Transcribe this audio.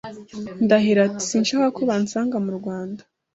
Ndahiro ati Sinshaka ko bansanga mu Rwanda